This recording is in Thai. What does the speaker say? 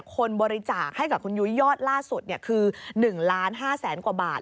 คนบริจาคให้กับคุณยุยยอดล่าสุดคือ๑๕๐๐๐๐๐บาท